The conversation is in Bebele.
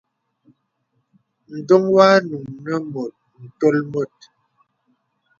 Ǹdoŋ wanùŋ nə mùt ǹtol bòt.